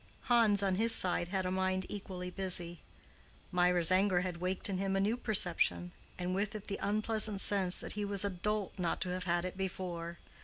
Hans, on his side, had a mind equally busy. Mirah's anger had waked in him a new perception, and with it the unpleasant sense that he was a dolt not to have had it before.